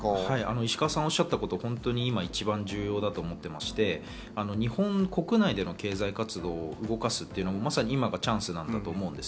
石川さんがおっしゃったこと、今一番重要だと思っていまして、日本国内での経済活動を動かすのは、今まさにチャンスだと思うんです。